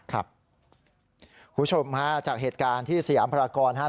ครับคุณผู้ชมฮะจากเหตุการณ์ที่เสียอำพลากรฮะ